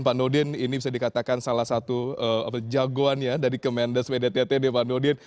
pak nordin ini bisa dikatakan salah satu jagoannya dari kementerian pdit pdit pak nordin